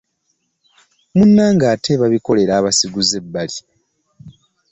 Munnange ate babikolera abasiguze ebbali!